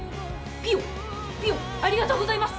ピヨピヨありがとうございます